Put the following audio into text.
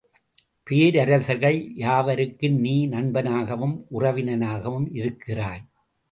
பேரரசர்கள் யாவருக்கும் நீ நண்பனாகவும் உறவினனாகவும் இருக்கிறாய்.